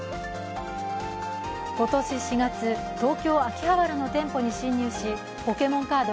今年４月、東京・秋葉原の店舗に侵入しポケモンカード